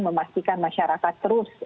memastikan masyarakat terus